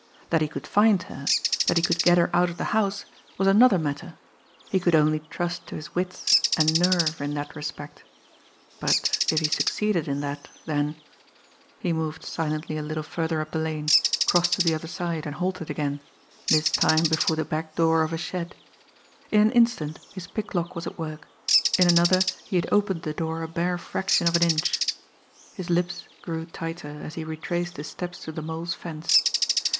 That he could find her, that he could get her out of the house was another matter he could only trust to his wits and nerve in that respect. But if he succeeded in that, then he moved silently a little further up the lane, crossed to the other side and halted again, this time before the back door of a shed. In an instant his picklock was at work; in another he had opened the door a bare fraction of an inch. His lips grew tighter, as he retraced his steps to the Mole's fence.